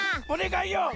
おねがいよ！